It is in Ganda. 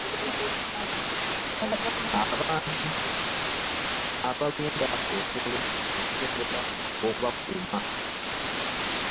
abantu balunda ensolo okusobola okubakuuma.